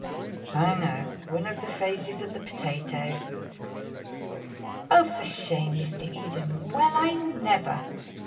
"I know one of the phases of the potato." "Oh! for shame, Mr. Eden. Well, I never!